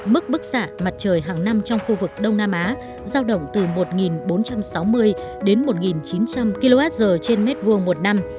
mức bức xạ mặt trời hàng năm trong khu vực đông nam á giao động từ một bốn trăm sáu mươi đến một chín trăm linh kwh trên m hai một năm